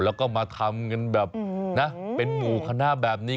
แล้วก็มาทำกันเป็นหมู่ฆันน่าแบบนี้